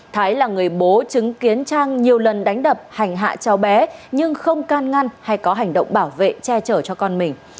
thái là người bố chứng kiến trang nhiều lần đánh đập hành hạ cháu bé nhưng không can ngăn hay có hành động bảo vệ che chở cho con mình